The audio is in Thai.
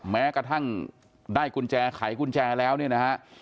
แม้กระทั่งได้กุญแจไขกุญแจแล้วเนี่ยนะฮะ